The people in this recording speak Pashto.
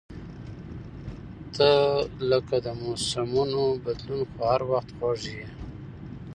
• ته لکه د موسمونو بدلون، خو هر وخت خوږ یې.